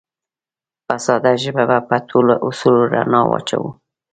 په ساده ژبه به په ټولو اصولو رڼا واچوو